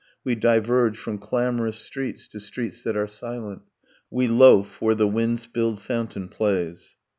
We diverge from clamorous streets to streets that are silent. We loaf where the wind spilled fountain plays.